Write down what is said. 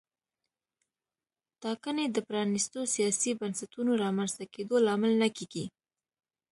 ټاکنې د پرانیستو سیاسي بنسټونو رامنځته کېدو لامل نه کېږي.